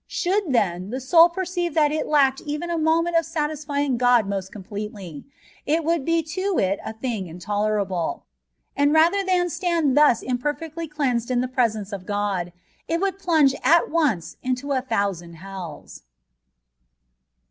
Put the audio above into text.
Should, then, the soul perceive that it lacked even a moment of satisfying God most completely, it would be to it a thing intolerable ; and rather than stand thus ìmperfectly cleansed in the pre sence of God, it would plunge at once into a thou sand hells.